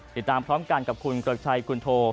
ติดตามพร้อมกันกับคุณเกริกชัยคุณโท